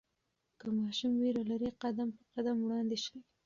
که ماشوم ویره لري، قدم په قدم وړاندې شئ.